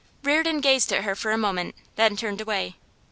Reardon gazed at her for a moment, then turned away.